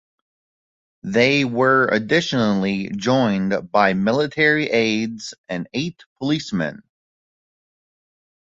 They were additionally joined by military aides and eight policemen.